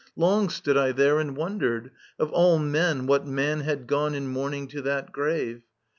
Long stood I there And wondered, of all men what man had gone In mourning to that grave.